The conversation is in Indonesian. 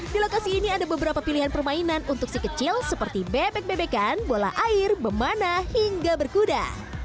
di lokasi ini ada beberapa pilihan permainan untuk si kecil seperti bebek bebekan bola air bemana hingga berkuda